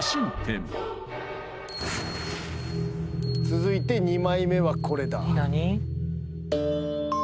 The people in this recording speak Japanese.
続いて２枚目はこれだえ何？